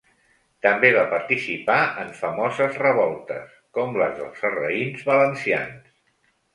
També va participar en famoses revoltes, com les dels sarraïns valencians.